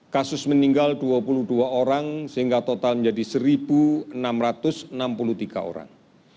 kasus meninggal dua puluh dua orang sehingga total menjadi satu enam ratus enam puluh tiga orang